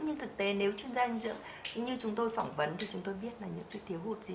nhưng thực tế nếu chuyên gia dinh dưỡng như chúng tôi phỏng vấn thì chúng tôi biết là những sự thiếu hụt gì